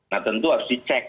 nah tentu harus dicek